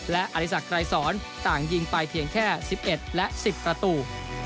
และอริสักไกรสอนต่างยิงไปเพียงแค่๑๑และ๑๐ประตู